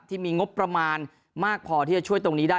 ที่มีงบประมาณมากพอที่จะช่วยตรงนี้ได้